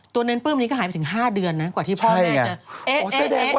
ตัวเนรปลื้มนี้ก็หายไปถึง๕เดือนนะกว่าที่พ่อแม่จะเอ๊ะ